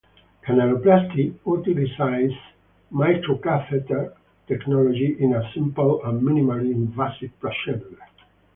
Canaloplasty utilizes microcatheter technology in a simple and minimally invasive procedure.